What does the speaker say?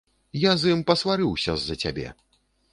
Я з ім пасварыўся з-за цябе.